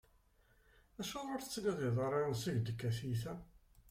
Acuɣeṛ ur tettnadiḍ ara ansa i ak-d-tekka tyita?